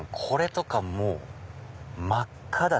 これとかもう真っ赤！